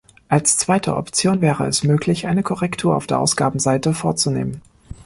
Als zweite Option wäre es möglich, eine Korrektur auf der Ausgabenseite vorzunehmen.